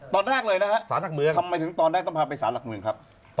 ทำไมต้องพาไปสารหลักเมืองครับ